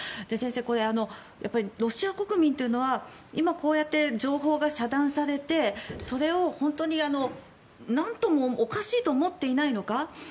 先生、ロシア国民というのは今こうやって情報が遮断されてそれを本当になんともおかしいと思っていないのか